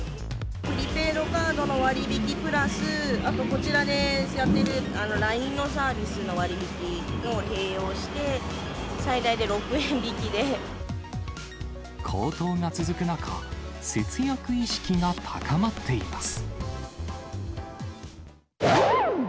プリペイドカードの割引プラス、あとこちらでやっているＬＩＮＥのサービスの割引を併用して、高騰が続く中、節約意識が高まっています。